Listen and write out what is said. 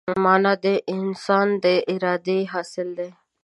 مانا د انسان د ارادې حاصل ده.